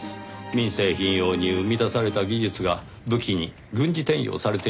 民生品用に生み出された技術が武器に軍事転用されている可能性があります。